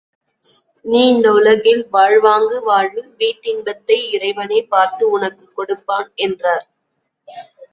நீ இந்த உலகில் வாழ்வாங்கு வாழு வீட்டின்பத்தை இறைவனே பார்த்து உனக்குக் கொடுப்பான் என்றார்.